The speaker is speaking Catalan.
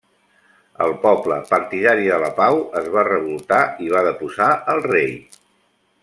El poble, partidari de la pau, es va revoltar i va deposar al rei.